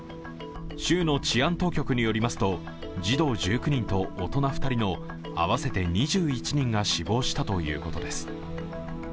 州の治安当局によりますと児童１９人と大人２人の合わせて２１人が死亡したということです。